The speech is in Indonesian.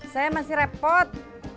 saya masih repot